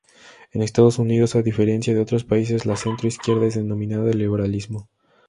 En Estados Unidos, a diferencia de otros países, la centro izquierda es denominada liberalismo.